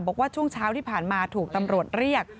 บอกว่าช่วงเช้าที่ผ่านมาถูกตำรวจเรียก